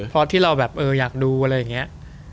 เพราะที่เราแบบเอออยากดูอะไรอย่างนี้